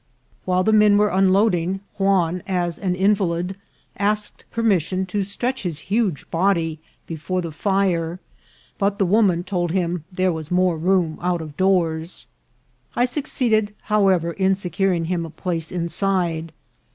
While the men were unloading, Juan, as an invalid, asked permission to stretch his huge body before the fire, but the woman told him there was more room out of doors. I succeeded, however, in securing him a place inside.